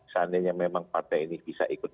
seandainya memang partai ini bisa ikut